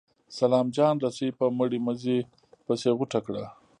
سلام جان رسۍ په مړې مږې پسې غوټه کړه.